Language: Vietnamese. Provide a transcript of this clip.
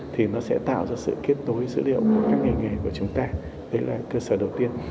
thì nó sẽ tạo ra sự kết nối dữ liệu của các ngành nghề của chúng ta đấy là cơ sở đầu tiên